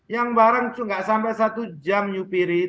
yang barang nggak sampai satu jam nyupiri